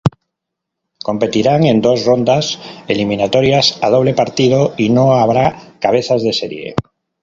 Competirán en dos rondas eliminatorias a doble partido y no habrá cabezas de serie.